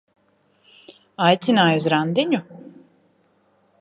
Aicināja uz randiņu?